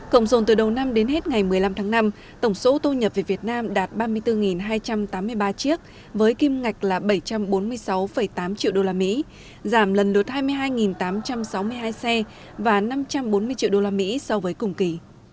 cộng dồn từ đầu năm đến hết ngày một mươi năm tháng năm tổng số ô tô nhập về việt nam đạt ba mươi bốn hai trăm tám mươi ba chiếc với kim ngạch là bảy trăm bốn mươi sáu tám triệu usd giảm lần lượt hai mươi hai tám trăm sáu mươi hai xe và năm trăm bốn mươi triệu usd so với cùng kỳ